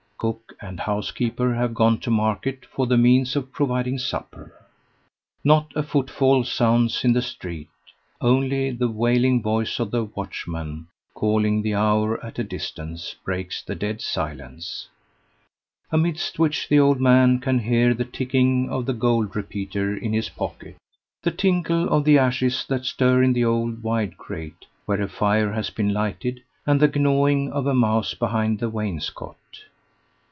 Cook and housekeeper have gone to market for the means of providing supper. Not a footfall sounds in the street; only the wailing voice of the watchman calling the hour at a distance breaks the dead silence, amidst which the old man can hear the ticking of the gold repeater in his pocket, the tinkle of the ashes that stir in the old wide grate, where a fire has been lighted, and the gnawing of a mouse behind the wainscot.